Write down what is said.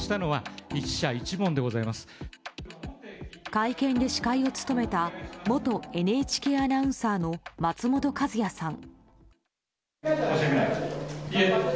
会見で司会を務めた元ＮＨＫアナウンサーの松本和也さん。